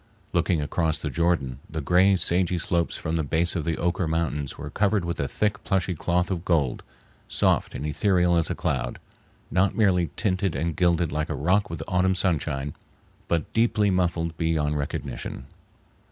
Looking across the Jordan, the gray sagey slopes from the base of the Oquirrh Mountains were covered with a thick, plushy cloth of gold, soft and ethereal as a cloud, not merely tinted and gilded like a rock with autumn sunshine, but deeply muffled beyond recognition.